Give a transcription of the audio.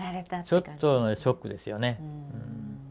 ちょっとショックですよね。